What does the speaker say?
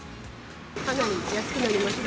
かなり安くなりました。